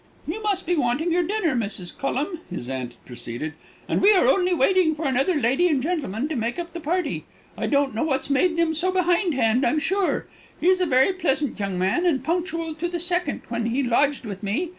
"You must be wanting your dinner, Mrs. Collum," his aunt proceeded; "and we are only waiting for another lady and gentleman to make up the party. I don't know what's made them so behindhand, I'm sure. He's a very pleasant young man, and punctual to the second when he lodged with me.